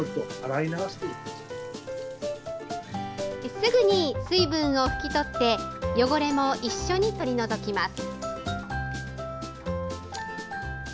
すぐに水分を拭き取って汚れも一緒に取り除きます。